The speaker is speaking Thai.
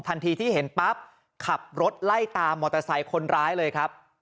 ทันทีที่เห็นปั๊บขับรถไล่ตามมอเตอร์ไซค์คนร้ายเลยครับ